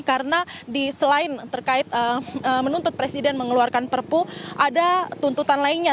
karena di selain terkait menuntut presiden mengeluarkan perpu ada tuntutan lainnya